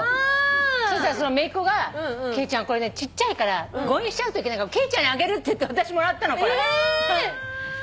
そしたらそのめいっ子が「貴理ちゃんこれちっちゃいから誤飲しちゃうといけないから貴理ちゃんにあげる」っていって私もらったのこれ。